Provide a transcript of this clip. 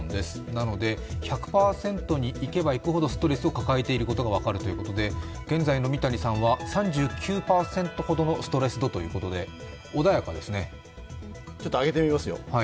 なので、１００％にいけばいくほどストレスを抱えていることが分かるということで、現在の三谷さんは、３９％ほどのストレス度ということで、ちょっと上げてみますよ。